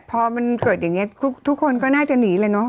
พอมันเกิดอย่างนี้ทุกคนก็น่าจะหนีเลยเนอะ